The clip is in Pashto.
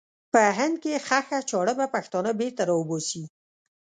په هند کې ښخه چاړه به پښتانه بېرته را وباسي.